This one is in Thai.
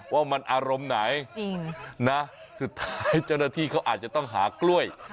ว่ามันอารมณ์ไหนนะสุดท้ายเจ้าหน้าที่เขาอาจจะต้องหากล้วย